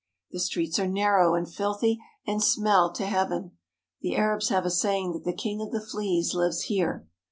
The streets are narrow and filthy and smell to heaven. The Arabs have a saying that the king of the fleas lives here.